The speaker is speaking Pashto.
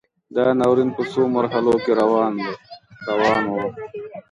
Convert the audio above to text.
دا ناورین په څو مرحلو کې روان و.